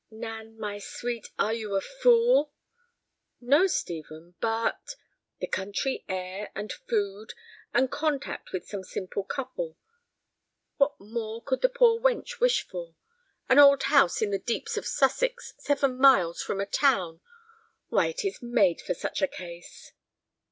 "Nan, my sweet, are you a fool?" "No, Stephen; but—" "The country air and food, and contact with some simple couple—what more could the poor wench wish for? An old house in the deeps of Sussex, seven miles from a town. Why, it is made for such a case."